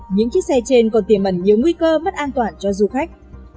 những chiếc xe trên còn tiềm ẩn nhiều nguy cơ mất an toàn cho du khách